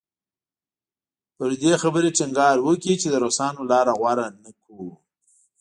پر دې خبرې ټینګار وکړي چې د روسانو لاره غوره نه کړو.